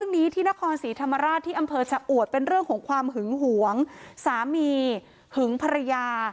นี้ที่นครศรีธรรมราชที่อำเภอชะอวดเป็นเรื่องของความหึงหวงสามีหึงภรรยา